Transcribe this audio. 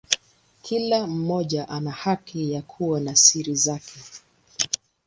Kila mmoja ana haki ya kuwa na siri zake.